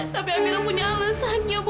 tapi amira punya alasannya bu